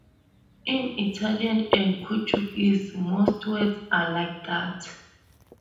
In Italian and Portuguese, most words are like that.